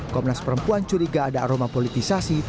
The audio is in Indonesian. komnas perempuan curiga ada aroma politisasi